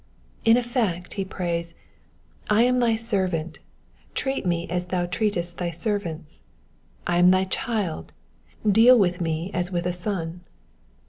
In effect he prays, 1 am thy servant ; treat mo as thou trcatest thy servants. I am thy child ; deal with me as with a son.